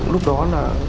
lúc đó là